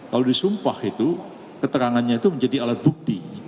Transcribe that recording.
kalau disumpah itu keterangannya itu menjadi alat bukti